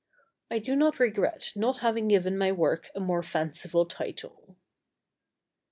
I do not regret not having given my work a more fanciful title.